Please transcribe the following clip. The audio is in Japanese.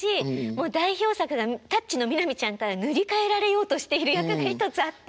もう代表作が「タッチ」の南ちゃんから塗り替えられようとしている役が１つあって。